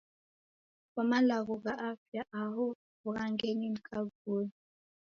Kwa malagho gha afya aho wughangenyi ni kavui?